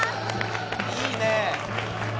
いいね！